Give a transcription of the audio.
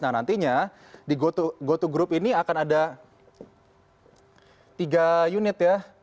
nah nantinya di goto group ini akan ada tiga unit ya